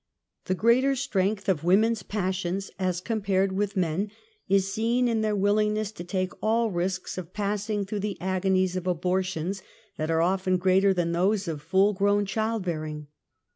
The greater strength of women's passions as com pared with men is seen in their willingness to take all risks of passing through the agonies of abortions that are often greater than those of full grown child bearing^.